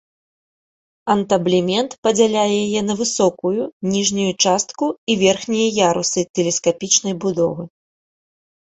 Антаблемент падзяляе яе на высокую ніжнюю частку і верхнія ярусы тэлескапічнай будовы.